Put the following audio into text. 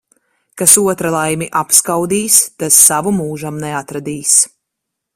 Kas otra laimi apskaudīs, tas savu mūžam neatradīs.